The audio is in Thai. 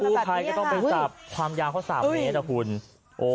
ผู้ใครก็ต้องไปกับภาพความยาข้อสามนี้